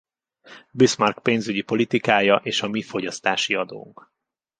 Bismarck pénzügyi politikája és a mi fogyasztási adónk.